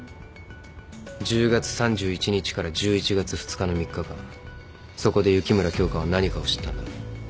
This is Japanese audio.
１０月３１日から１１月２日の３日間そこで雪村京花は何かを知ったんだ。